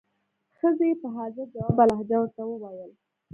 ښځې یې په حاضر جوابه لهجه ورته وویل.